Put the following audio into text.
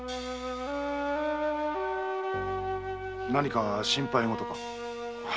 何か心配事か？